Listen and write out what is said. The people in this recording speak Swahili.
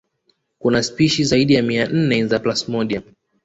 Kuna spishi zaidi ya mia nne za plasmodium